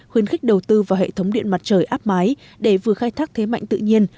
khuyến khích đầu tư vào hệ thống điện mặt trời áp mái để vừa khai thác thế mạnh tự nhiên